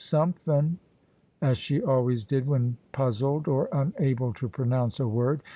sompfin;" as she always did when puzzled or unable to pronounce a word.